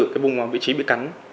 cái vùng vị trí bị cắn